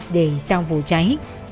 để xong vụ cháy